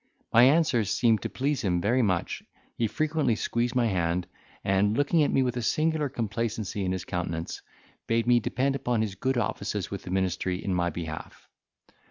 My answers seemed to please him very much, he frequently squeezed my hand, and, looking at me with a singular complacency in his countenance, bade me depend upon his good offices with the ministry in my behalf.